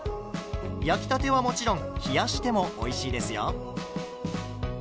焼きたてはもちろん冷やしてもおいしいですよ。